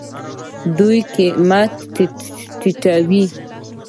دوی قیمت ټیټوي.